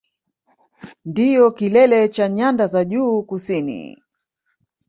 Ndiyo kilele cha Nyanda za Juu Kusini